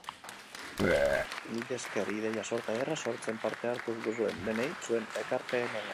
Milesker ideia sorta ederra sortzen parte hartu duzuen denei zuen ekarpenengatik!